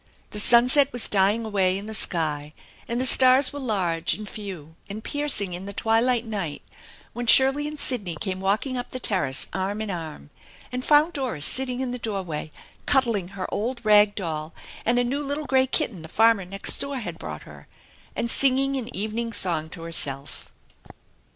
The sunset was dying away in the sky, and the stars were large and few and piercing in the twilight night when Shirley and Sidney came walking up the terrace arm in arm, and found Doris sitting in the doorway cuddling her old rag doll and a new little gray kitten the farmer next door had brought her, and singing an evening song to herself.